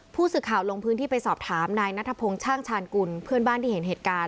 ผู้สื่อข่าวลงพื้นที่ไปสอบถามนายนัทพงศ์ช่างชาญกุลเพื่อนบ้านที่เห็นเหตุการณ์